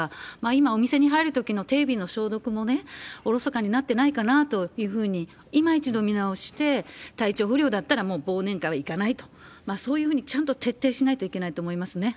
今お店に入るときの手指の消毒もね、おろそかになってないかなというふうに、いま一度見直しして、体調不良だったらもう忘年会は行かないと、そういうふうにちゃんと徹底しないといけないと思いますね。